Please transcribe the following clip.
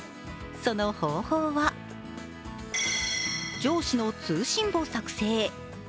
その方法は上司の通信簿作成。